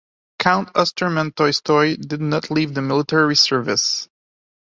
Count Osterman-Tolstoy did not leave the military service.